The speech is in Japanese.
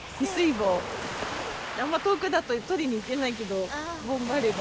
あんま遠くだと採りに行けないけど棒があれば。